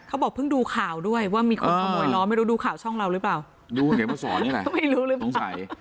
เขาบอกเพิ่งดูข่าวด้วยว่ามีคนขโมยล้อไม่รู้ดูข่าวช่องเราหรือเปล่าดูเดี๋ยวมาสอนนี่แหละก็ไม่รู้หรือเปล่าสงสัย